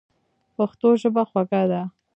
پښتو ژبه خوږه ده.